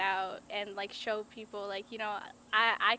dan menunjukkan kepada orang orang